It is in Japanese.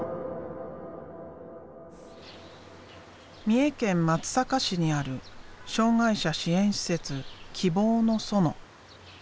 三重県松阪市にある障害者支援施設「希望の園」。